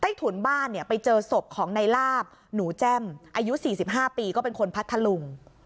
ใต้ถุนบ้านไปเจอศพของนายลาบหนูแจ้มอายุ๔๕ปีก็เป็นคนพัดทะลุง